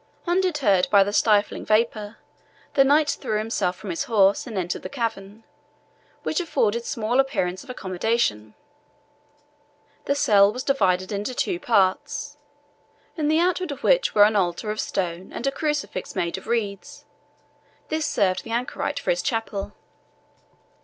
Undeterred by the stifling vapour, the knight threw himself from his horse and entered the cavern, which afforded small appearance of accommodation. The cell was divided into two parts, in the outward of which were an altar of stone and a crucifix made of reeds: this served the anchorite for his chapel.